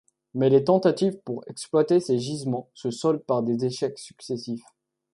Mais les tentatives pour exploiter ces gisements se soldent par des échecs successifs.